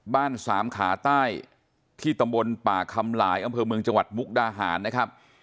บ้านสามขาใต้ที่ตำบลป่าคำลายท์คำเผิงจังหวัดบุ๊คดาหารนะครับ